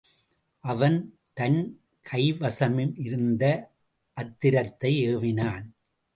அவன் தன் கைவசமிருந்த அத்திரத்தை ஏவினான்.